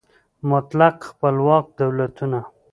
مطلق خپلواک دولتونه